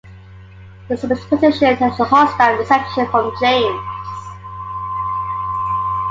This petition had a hostile reception from James.